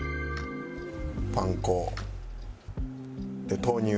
パン粉豆乳。